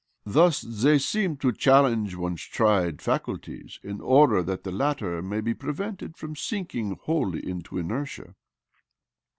Thus they seem to challenge one's tried faculties in order that the latter may be prevented from sinking wholly into inertia."